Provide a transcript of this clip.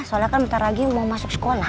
seolah nanti wright hitchens masuk sekolah